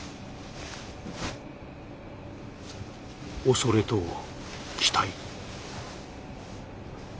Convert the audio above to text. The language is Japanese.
恐れと期待。